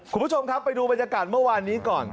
คุณผู้ชมครับไปดูบรรยากาศเมื่อวานนี้ก่อน